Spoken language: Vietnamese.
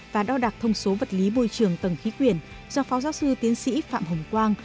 và đo đạc thông số vật lý bôi trường tầng khí quyển do phó giáo sư tiến sĩ phạm hồng quang